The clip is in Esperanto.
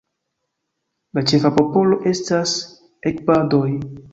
La ĉefa popolo estas Egbadoj.